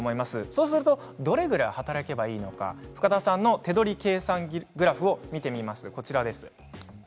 そうするとどれくらい働けばいいのか深田さんの手取り計算グラフを見てみます。